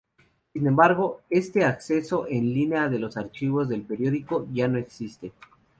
Sin embargo, este acceso en línea de los archivos del periódico, ya no existe.